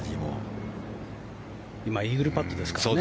今、イーグルパットですからね。